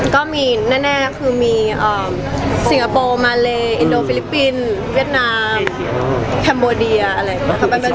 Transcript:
ก็มีแน่คือมีสิงคโปร์มาเลอินโดฟิลิปปินส์เวียดนามแคมโมเดียอะไรอย่างนี้